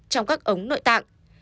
trong các ống nội tạng